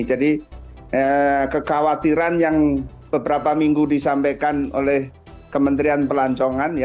jadi kekhawatiran yang beberapa minggu disampaikan oleh kementerian pelancongan ya